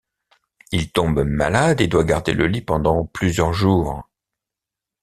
Il tombe malade et doit garder le lit pendant plusieurs jours.